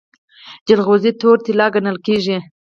جلغوزي تورې طلا ګڼل کیږي.